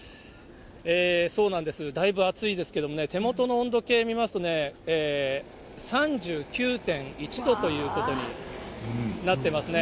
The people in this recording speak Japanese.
そうなんです、だいぶ暑いですけれどもね、手元の温度計見ますと、３９．１度ということになってますね。